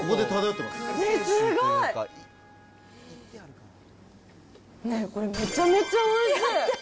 すごい！ね、これ、めちゃめちゃおいしい。